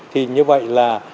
thì như vậy là